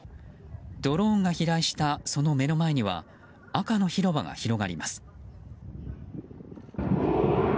ドローンが飛来したその目の前には赤の広場が広がります。